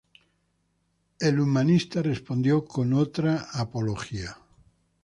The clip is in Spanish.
El humanista respondió con otra apología.